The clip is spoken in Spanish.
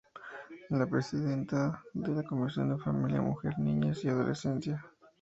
Es la presidenta de la comisión de Familia, Mujer, Niñez y Adolescencia.